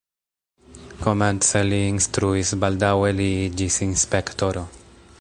Komence li instruis, baldaŭe li iĝis inspektoro.